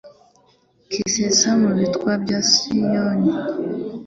kisesa mu bitwa bya Siyoni